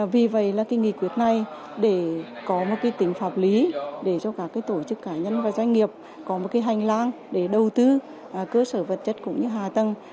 vì vậy là cái nghị quyết này để có một tính pháp lý để cho các tổ chức cá nhân và doanh nghiệp có một hành lang để đầu tư cơ sở vật chất cũng như hạ tầng